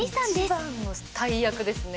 一番の大役ですね